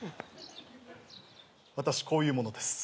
私こういう者です。